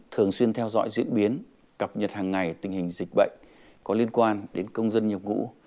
thường xuyên theo dõi diễn biến cập nhật hàng ngày tình hình dịch bệnh có liên quan đến công dân nhập ngũ